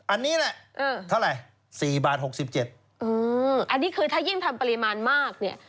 อันนี้แหละเท่าไหร่๔บาท๖๗อันนี้คือถ้ายิ่งทำปริมาณมากเนี่ย